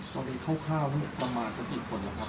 ตอนนี้คร่าวหรือประมาณสัตว์อีกคนเหรอครับ